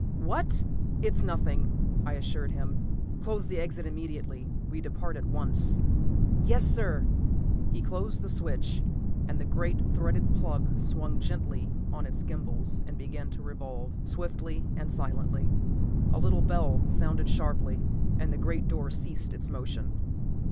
"What " "It's nothing," I assured him. "Close the exit immediately; we depart at once." "Yes, sir!" He closed the switch, and the great threaded plug swung gently on its gimbals and began to revolve, swiftly and silently. A little bell sounded sharply, and the great door ceased its motion.